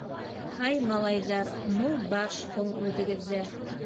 Һай, малайҙар, ну, баш һуң үҙегеҙҙә!